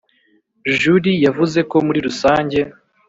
julie yavuze ko muri rusange